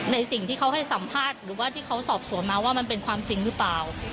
สิ่งที่เขาให้สัมภาษณ์หรือว่าที่เขาสอบสวนมาว่ามันเป็นความจริงหรือเปล่า